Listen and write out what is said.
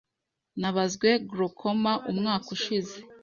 Nabazwe glaucoma umwaka ushize.